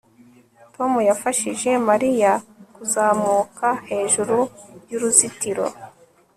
Tom yafashije Mariya kuzamuka hejuru yuruzitiro